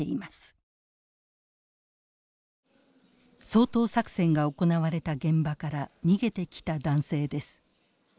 掃討作戦が行われた現場から逃げてきた男性です。